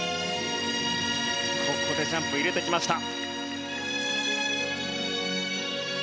ここでジャンプを入れてきました。